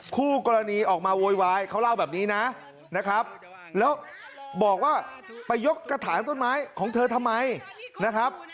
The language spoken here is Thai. คู่กรณีออกมาโวยวายเขาเล่าแบบนี้นะนะครับแล้วบอกว่าไปยกกระถางต้นไม้ของเธอทำไมนะครับ